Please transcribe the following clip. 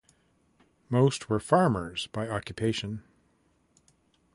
Most were farmers by occupation.